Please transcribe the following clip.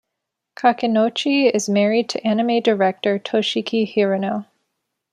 Kakinouchi is married to anime director Toshiki Hirano.